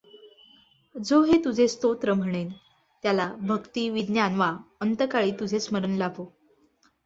जो हे तुझे स्तोत्र म्हणेल त्याला भक्ती, विज्ञान वा अंतकाळी तुझे स्मरण लाभो.